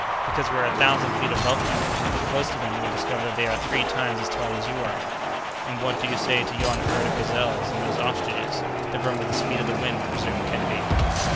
"Because we are a thousand feet above them; but close to them you would discover that they are three times as tall as you are!" "And what do you say to yon herd of gazelles, and those ostriches, that run with the speed of the wind?" resumed Kennedy.